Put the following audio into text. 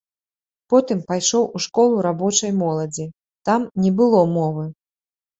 Потым пайшоў у школу рабочай моладзі, там не было мовы.